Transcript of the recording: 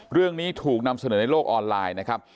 เรื่องนี้ถูกนำเสนอในโลกออนไลน์นะครับ